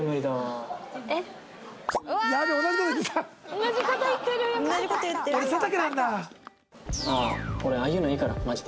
同じ事言ってた！